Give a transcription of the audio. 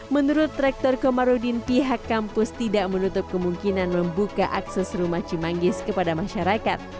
menurut rektor komarudin pihak kampus tidak menutup kemungkinan membuka akses rumah cimanggis kepada masyarakat